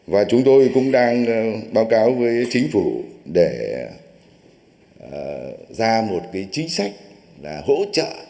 và chúng tôi cũng đang báo cáo với chính phủ để ra một chính sách hỗ trợ